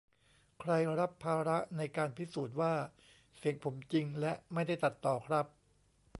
ใครรับภาระในการพิสูจน์ว่าเสียงผมจริงและไม่ได้ตัดต่อครับ